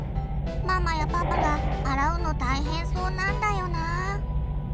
ママやパパが洗うの大変そうなんだよな。